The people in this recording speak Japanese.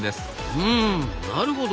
うんなるほど！